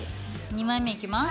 ２枚目いきます。